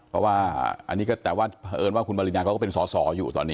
เพราะว่าอันนี้ก็แต่ว่าเพราะเอิญว่าคุณปรินาเขาก็เป็นสอสออยู่ตอนนี้